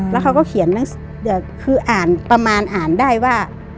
แล้วเขาก็เขียนคือประมาณอ่านได้ว่า